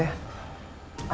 maaf banget ya